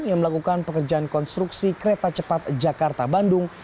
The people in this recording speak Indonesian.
yang melakukan pekerjaan konstruksi kereta cepat jakarta bandung